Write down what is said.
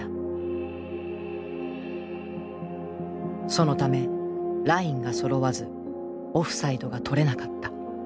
そのためラインがそろわずオフサイドがとれなかった。